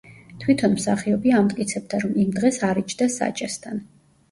თვითონ მსახიობი ამტკიცებდა, რომ იმ დღეს არ იჯდა საჭესთან.